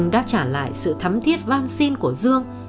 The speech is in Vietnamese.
rất khó thay đổi